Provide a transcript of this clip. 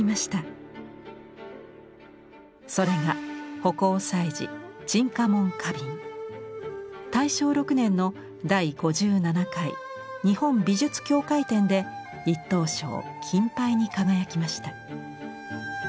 それが大正６年の第５７回日本美術協会展で１等賞金牌に輝きました。